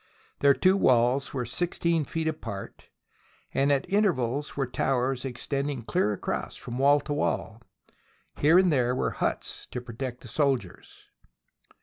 Their two walls were sixteen feet apart, and at in tervals were towers extending clear across from wall to wall. Here and there were huts to protect the soldiers.